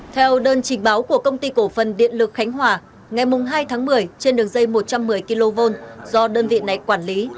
theo đơn trình báo của công ty cổ phần điện lực khánh hòa ngày hai tháng một mươi trên đường dây một trăm một mươi kv do đơn vị này quản lý